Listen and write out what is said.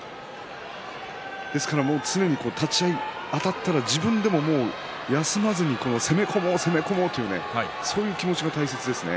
ですから立ち合い、あたったら自分でも休まずに攻め込もう攻め込もうというそういう気持ちが大切ですね。